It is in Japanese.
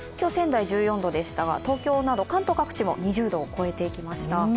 仙台は１４度でしたが東京など関東各地も２０度を超えていきました。